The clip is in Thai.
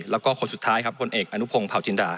แล้วก็คนสุดท้ายครับผลเอกอนุพงศ์เผาจินดา